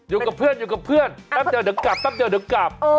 อยู่กับเพื่อนอยู่กับเพื่อนตั้งเดี๋ยวเดี๋ยวกลับ